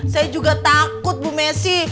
saya juga takut bu messi